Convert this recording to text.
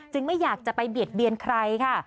ไม่อยากจะไปเบียดเบียนใครค่ะ